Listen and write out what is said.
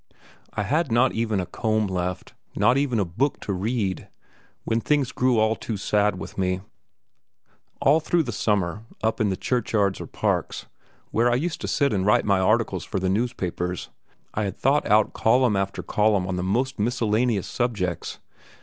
I had not even a comb left, not even a book to read, when things grew all too sad with me. All through the summer, up in the churchyards or parks, where I used to sit and write my articles for the newspapers, I had thought out column after column on the most miscellaneous subjects.